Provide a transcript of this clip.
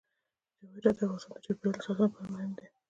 جواهرات د افغانستان د چاپیریال ساتنې لپاره مهم دي.